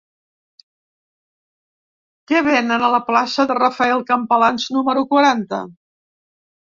Què venen a la plaça de Rafael Campalans número quaranta?